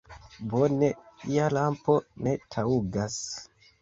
Bone, lia lampo ne taŭgas!